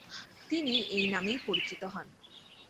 তিনি এই নামেই পরিচিত হন।